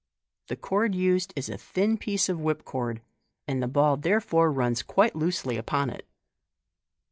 The cord used is a thin piece of whipcord, and the ball therefore runs quite loosely upon it.